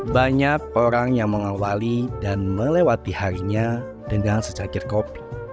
banyak orang yang mengawali dan melewati harinya dengan secakir kopi